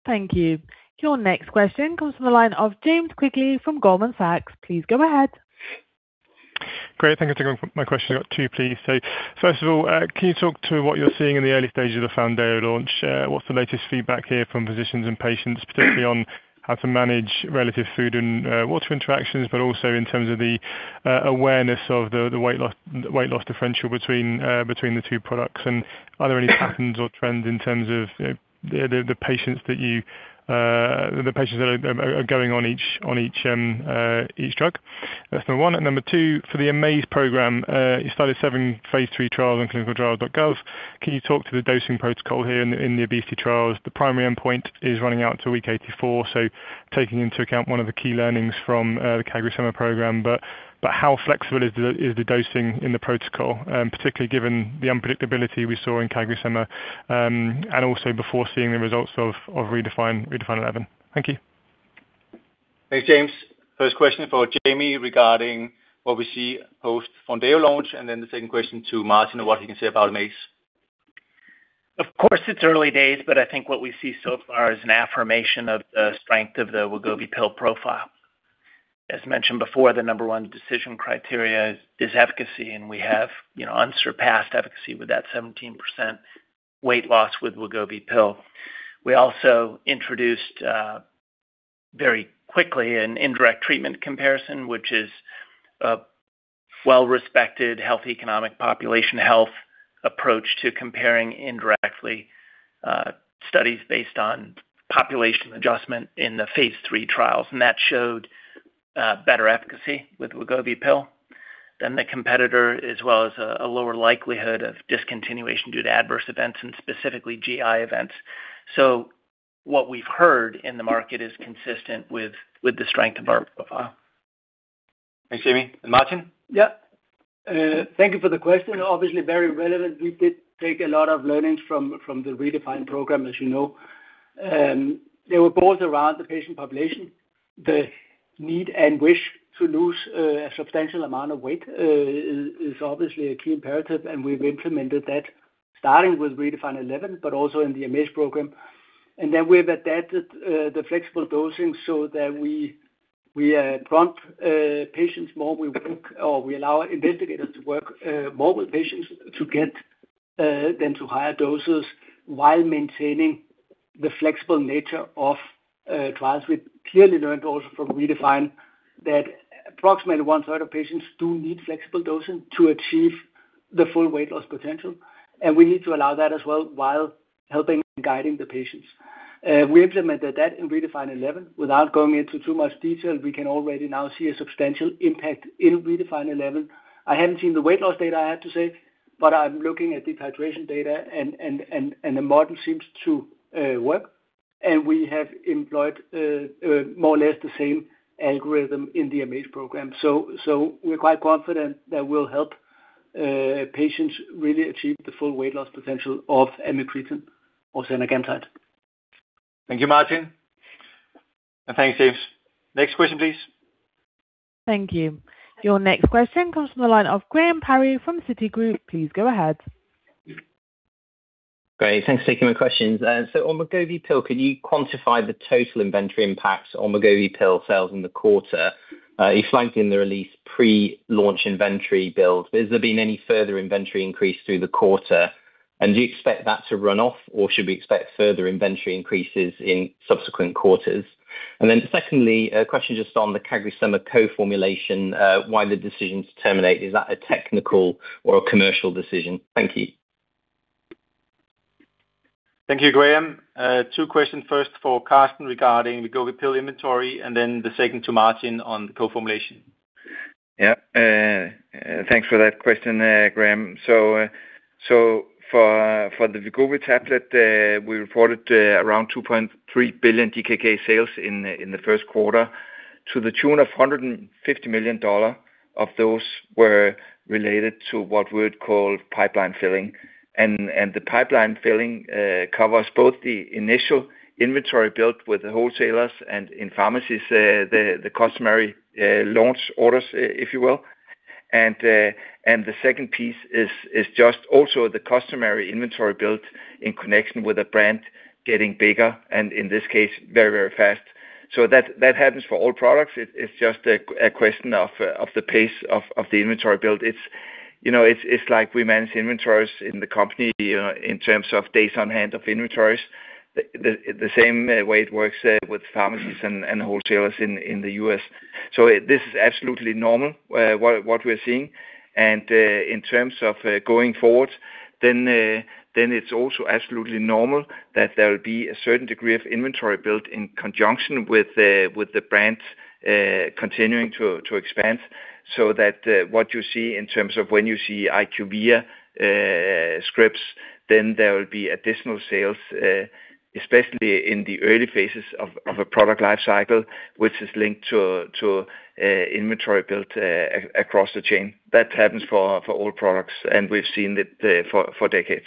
Thank you. Your next question comes from the line of James Quigley from Goldman Sachs. Please go ahead. Great. Thank you for taking my question. I've got two, please. First of all, can you talk to what you're seeing in the early stages of the Foundayo launch? What's the latest feedback here from physicians and patients, particularly on how to manage relative food and water interactions, but also in terms of the awareness of the weight loss differential between the two products? Are there any patterns or trends in terms of the patients that are going on each drug? That's number one. Number two, for the AMAZE program, you started seven phase III trials on clinicaltrials.gov. Can you talk to the dosing protocol here in the obesity trials? The primary endpoint is running out to week 84, so taking into account one of the key learnings from the CagriSema program, but how flexible is the dosing in the protocol, particularly given the unpredictability we saw in CagriSema, and also before seeing the results of REDEFINE 11? Thank you. Thanks, James. First question for Jamey regarding what we see post Fontideo launch, and then the second question to Martin on what he can say about AMAZE. Of course, it's early days, but I think what we see so far is an affirmation of the strength of the Wegovy pill profile. As mentioned before, the number one decision criteria is efficacy, and we have, you know, unsurpassed efficacy with that 17% weight loss with Wegovy pill. We also introduced very quickly an indirect treatment comparison, which is a well-respected health, economic population health approach to comparing indirectly studies based on population adjustment in the phase III trials. That showed better efficacy with Wegovy pill than the competitor, as well as a lower likelihood of discontinuation due to adverse events and specifically GI events. What we've heard in the market is consistent with the strength of our profile. Thanks, Jamey. Martin? Thank you for the question. Obviously very relevant. We did take a lot of learnings from the REDEFINE program, as you know. They were both around the patient population. The need and wish to lose a substantial amount of weight is obviously a key imperative, and we've implemented that starting with REDEFINE 11 but also in the AMAZE program. We've adapted the flexible dosing so that we prompt patients more. We work or we allow investigators to work more with patients to get them to higher doses while maintaining the flexible nature of trials. We've clearly learned also from REDEFINE that approximately one-third of patients do need flexible dosing to achieve the full weight loss potential, and we need to allow that as well while helping and guiding the patients. We implemented that in REDEFINE 11. Without going into too much detail, we can already now see a substantial impact in REDEFINE 11. I haven't seen the weight loss data, I have to say, but I'm looking at dehydration data and the model seems to work. We have employed more or less the same algorithm in the AMAZE program. We're quite confident that we'll help patients really achieve the full weight loss potential of amycretin or zenagamtide. Thank you, Martin. Thanks, James. Next question, please. Thank you. Your next question comes from the line of Graham Parry from Citigroup. Please go ahead. Great. Thanks for taking my questions. On Wegovy pill, can you quantify the total inventory impact on Wegovy pill sales in the quarter? You flagged in the release pre-launch inventory build. Has there been any further inventory increase through the quarter, and do you expect that to run off, or should we expect further inventory increases in subsequent quarters? Secondly, a question just on the CagriSema co-formulation, why the decision to terminate? Is that a technical or a commercial decision? Thank you. Thank you, Graham. Two questions. First for Karsten regarding the Wegovy pill inventory, and then the second to Martin on the co-formulation. Yeah. Thanks for that question, Graham. For the Wegovy tablet, we reported around 2.3 billion DKK sales in the first quarter, to the tune of $150 million of those were related to what we would call pipeline filling. The pipeline filling covers both the initial inventory built with the wholesalers and in pharmacies, the customary launch orders, if you will. The second piece is just also the customary inventory built in connection with the brand getting bigger and in this case very, very fast. That happens for all products. It's just a question of the pace of the inventory build. It's, you know, it's like we manage inventories in the company, you know, in terms of days on hand of inventories, the same way it works with pharmacies and wholesalers in the U.S. This is absolutely normal what we're seeing. In terms of going forward, then it's also absolutely normal that there will be a certain degree of inventory built in conjunction with the brands continuing to expand. That what you see in terms of when you see IQVIA scripts, then there will be additional sales, especially in the early phases of a product life cycle, which is linked to inventory built across the chain. That happens for all products, and we've seen it for decades.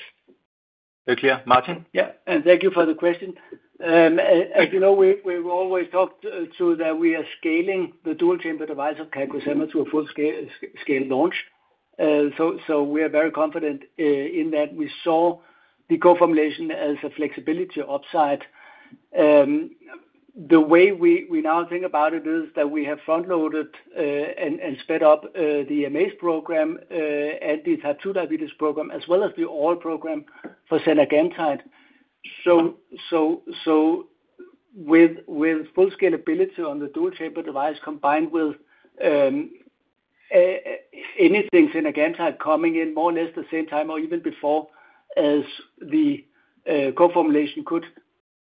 Is that clear? Martin? Yeah. Thank you for the question. As you know, we've always talked so that we are scaling the dual-chamber device of CagriSema to a full scale launch. We are very confident in that. We saw the co-formulation as a flexibility upside. The way we now think about it is that we have front-loaded and sped up the AMAZE program and the type 2 diabetes program, as well as the oral program. With full scalability on the dual-chamber device combined with anything zenagamtide coming in more or less the same time or even before as the co-formulation,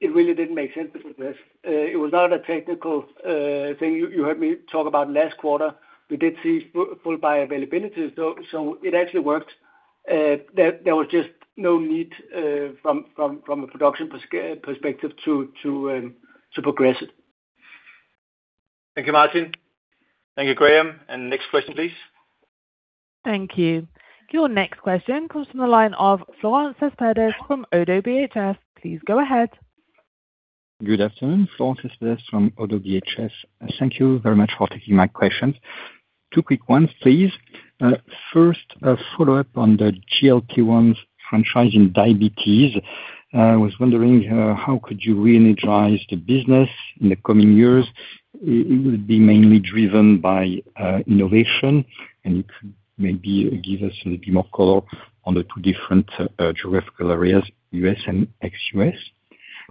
it really didn't make sense to progress. It was not a technical thing. You heard me talk about last quarter, we did see full bioavailability, so it actually worked. There was just no need from a production perspective to progress it. Thank you, Martin. Thank you, Graham. Next question, please. Thank you. Your next question comes from the line of Florent Cespedes from Oddo BHF. Please go ahead. Good afternoon, Florent Cespedes from Oddo BHF. Thank you very much for taking my questions. Two quick ones, please. First, a follow-up on the GLP-1 franchise in diabetes. I was wondering, how could you really drive the business in the coming years? It would be mainly driven by innovation, and you could maybe give us a little bit more color on the two different geographical areas, U.S. and ex-U.S.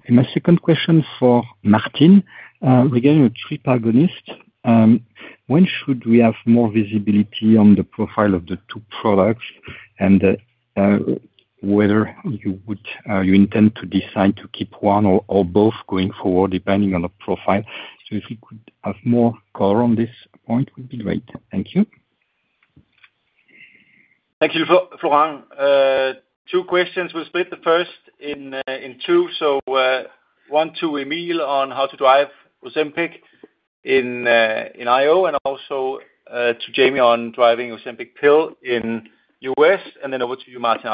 My second question for Martin regarding your tri-agonist, when should we have more visibility on the profile of the two products, whether you intend to decide to keep one or both going forward, depending on the profile? If you could have more color on this point would be great. Thank you. Thank you, Florent. Two questions. We'll split the first in two. One to Emil on how to drive Ozempic in IO and also to Jamey on driving Ozempic pill in U.S., and then over to you, Martin,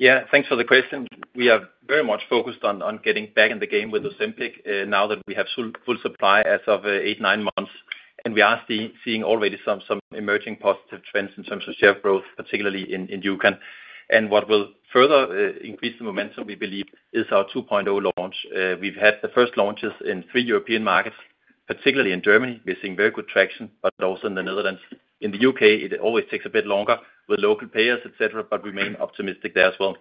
afterwards. Yeah, thanks for the question. We are very much focused on getting back in the game with Ozempic, now that we have full supply as of eight, nine months, and we are seeing already some emerging positive trends in terms of share growth, particularly in U.K. What will further increase the momentum, we believe, is our 2.0 launch. We've had the first launches in three European markets, particularly in Germany. We're seeing very good traction, but also in the Netherlands. In the U.K., it always takes a bit longer with local payers, et cetera, but remain optimistic there as well.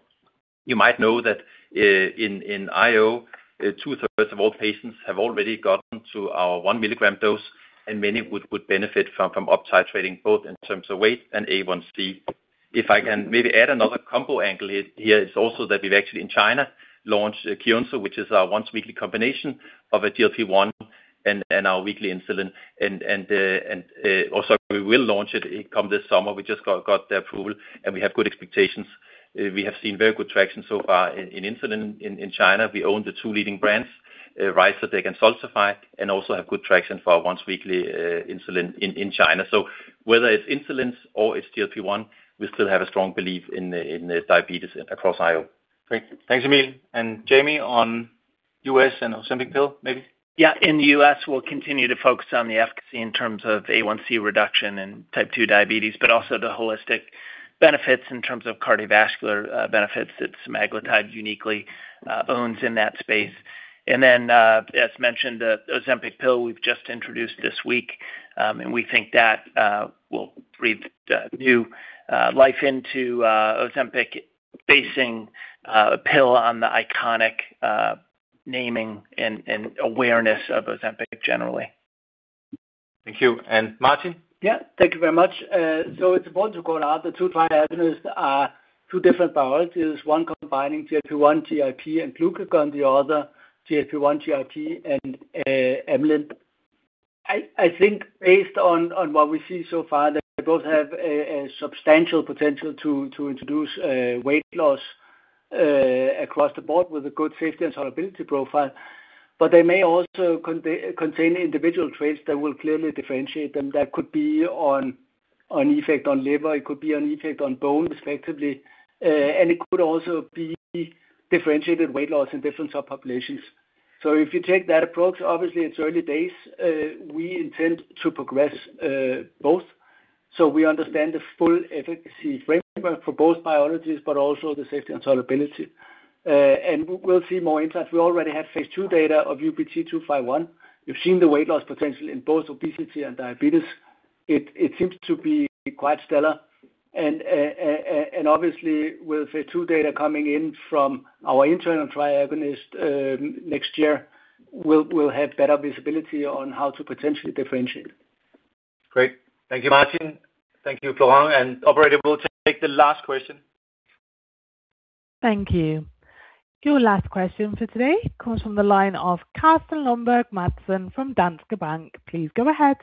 You might know that in IO, 2/3 of all patients have already gotten to our 1 mg dose, and many would benefit from uptitrating both in terms of weight and A1C. If I can maybe add another combo angle here, it's also that we've actually in China launched Kyinsu, which is our once-weekly combination of a GLP-1 and our weekly insulin. Sorry, we will launch it come this summer. We just got the approval, we have good expectations. We have seen very good traction so far. In insulin in China, we own the two leading brands, Ryzodeg and Xultophy, also have good traction for our once-weekly insulin in China. Whether it's insulins or it's GLP-1, we still have a strong belief in diabetes across IO. Great. Thanks, Emil. Jamey, on U.S. and Ozempic pill, maybe. Yeah. In the U.S., we'll continue to focus on the efficacy in terms of A1C reduction in type 2 diabetes, but also the holistic benefits in terms of cardiovascular benefits that semaglutide uniquely owns in that space. As mentioned, the Ozempic pill we've just introduced this week. We think that will breathe new life into Ozempic, basing a pill on the iconic naming and awareness of Ozempic generally. Thank you. Martin? Yeah. Thank you very much. So it's important to call out the two tri-agonists are two different biologics, one combining GLP-1, GIP, and glucagon, the other GLP-1, GIP, and amylin. I think based on what we see so far, they both have a substantial potential to introduce weight loss across the board with a good safety and tolerability profile. They may also contain individual traits that will clearly differentiate them. That could be on effect on liver, it could be on effect on bone, respectively, and it could also be differentiated weight loss in different subpopulations. If you take that approach, obviously it's early days. We intend to progress both so we understand the full efficacy framework for both biologics, but also the safety and tolerability. We'll see more insights. We already have phase II data of UBT251. We've seen the weight loss potential in both obesity and diabetes. It seems to be quite stellar. Obviously with phase II data coming in from our internal tri-agonist next year, we'll have better visibility on how to potentially differentiate. Great. Thank you, Martin. Thank you, Florent. Operator, we'll take the last question. Thank you. Your last question for today comes from the line of Carsten Lønborg Madsen from Danske Bank. Please go ahead.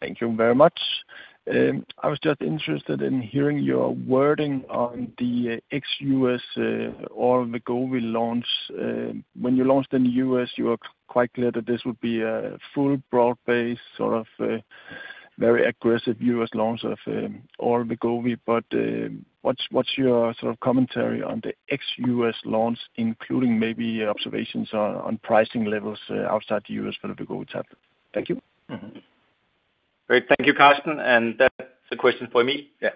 Thank you very much. I was just interested in hearing your wording on the ex-U.S. or the Wegovy launch. When you launched in the U.S., you were quite clear that this would be a full broad-based, sort of, very aggressive U.S. launch of oral Wegovy. What's, what's your sort of commentary on the ex-U.S. launch, including maybe observations on pricing levels outside the U.S. for the Wegovy tablet? Thank you. Great. Thank you, Carsten. That's a question for Emil. Yeah.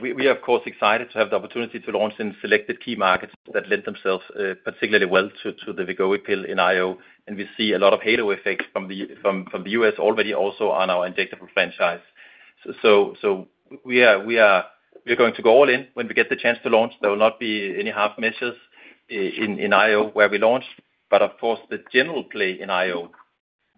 We of course excited to have the opportunity to launch in selected key markets that lend themselves particularly well to the Wegovy pill in IO. We see a lot of halo effects from the U.S. already also on our injectable franchise. So we are going to go all in when we get the chance to launch. There will not be any half measures in IO where we launch. Of course, the general play in IO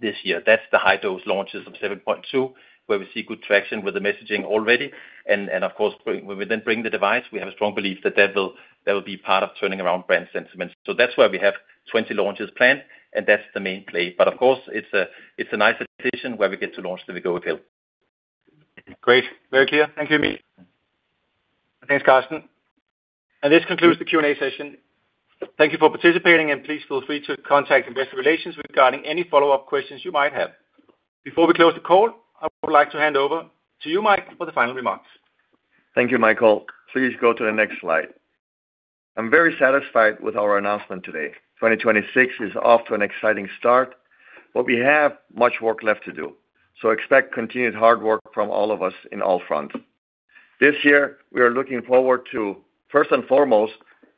this year, that's the high-dose launches of 7.2, where we see good traction with the messaging already. Of course, when we then bring the device, we have a strong belief that that will be part of turning around brand sentiment. That's why we have 20 launches planned, and that's the main play. Of course, it's a, it's a nice addition where we get to launch the Wegovy pill. Great. Very clear. Thank you, Emil. Thanks, Carsten. This concludes the Q&A session. Thank you for participating, and please feel free to contact investor relations regarding any follow-up questions you might have. Before we close the call, I would like to hand over to you, Mike, for the final remarks. Thank you, Michael. Please go to the next slide. I am very satisfied with our announcement today. 2026 is off to an exciting start, but we have much work left to do. Expect continued hard work from all of us in all fronts. This year, we are looking forward to, first and foremost,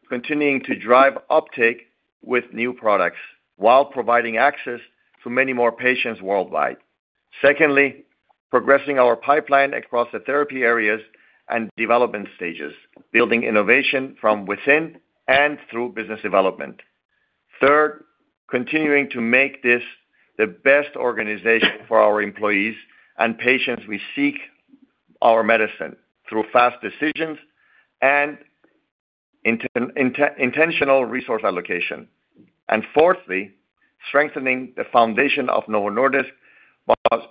continuing to drive uptake with new products while providing access to many more patients worldwide. Secondly, progressing our pipeline across the therapy areas and development stages, building innovation from within and through business development. Third, continuing to make this the best organization for our employees and patients we seek our medicine through fast decisions and intentional resource allocation. Fourthly, strengthening the foundation of Novo Nordisk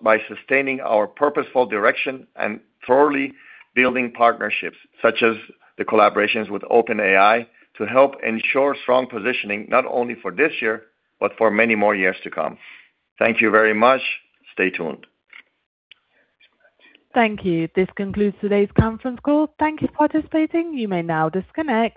by sustaining our purposeful direction and thoroughly building partnerships such as the collaborations with OpenAI to help ensure strong positioning, not only for this year, but for many more years to come. Thank you very much. Stay tuned. Thank you. This concludes today's conference call. Thank you for participating. You may now disconnect.